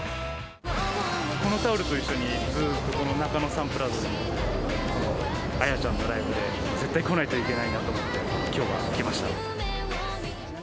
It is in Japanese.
このタオルと一緒に、ずっとこの中野サンプラザに、亜弥ちゃんのライブで、絶対来ないといけないなと思って、きょうは来ました。